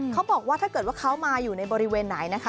เขาบอกว่าถ้าเกิดว่าเขามาอยู่ในบริเวณไหนนะคะ